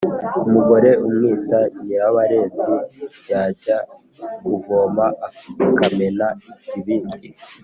Umugore umwita Nyirabarenzi yajya kuvoma akamena ikibindi.